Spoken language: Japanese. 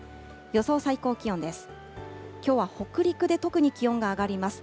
予想最高気温です。